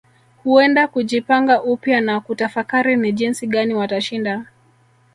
Huenda kujipanga upya na kutafakari ni jinsi gani watashinda